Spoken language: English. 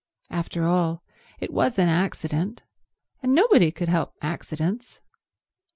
After all, it was an accident, and nobody could help accidents.